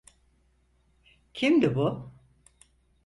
Kimdi bu?